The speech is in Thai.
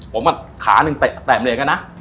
ผมอะขานึงแต่มเลงอะนะ